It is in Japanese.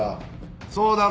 そうだろ？